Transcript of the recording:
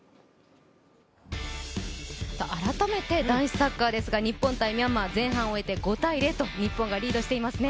改めて男子サッカーですが日本×ミャンマー前半終えて５−０と日本がリードをしていますね。